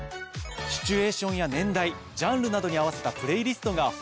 シチュエーションや年代ジャンルなどに合わせたプレイリストが豊富なんですよね。